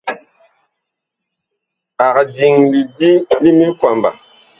Ag diŋ lidi li miŋkwamba.